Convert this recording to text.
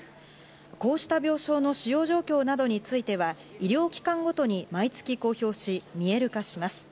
こうした病床の使用状況などについては医療機関ごとに毎月公表し見える化します。